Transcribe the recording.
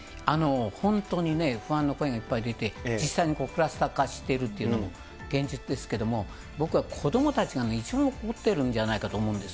本当にね、不安の声がいっぱい出て、実際にクラスター化しているというのが現実ですけれども、僕は子どもたちが一番怒ってるんじゃないかと思ってるんです。